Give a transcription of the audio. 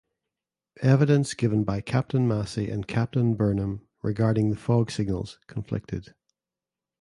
Evidence given by Captain Massey and Captain Burnham regarding the fog signals conflicted.